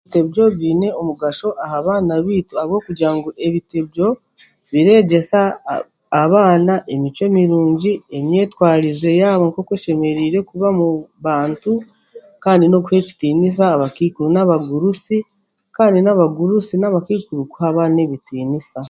Ebitebyo biine omugasho aha baana baitu, ahabw'okugira ngu ebitebyo biregyesa emicwe mirungi, emyetwarize yaabo nk'oku eshemereire kuba muba bantu kandi n'okuha ekitiinisa abakaikuru n'abagurusi n'abakaikuru kuha abaana ebitiinisa.